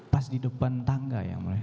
pas di depan tangga ya mulia